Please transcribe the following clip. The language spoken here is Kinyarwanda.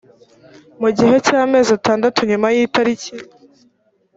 mu gihe cy amezi atandatu nyuma y itariki